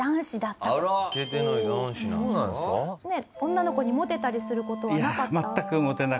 女の子にモテたりする事はなかった？